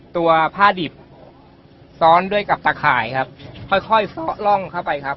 ตัวผ้าดิบซ้อนด้วยกับตะข่ายครับค่อยค่อยล่องเข้าไปครับ